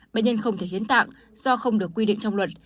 bệnh nhân không thể hiến tạng do không được quy định trong luật